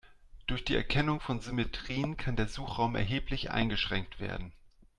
Durch die Erkennung von Symmetrien kann der Suchraum erheblich eingeschränkt werden.